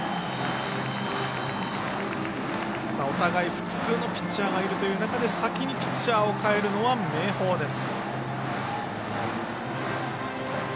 複数のピッチャーがいるという中で先にピッチャーを変えるのは明豊です。